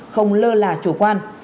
không lơ là chủ quan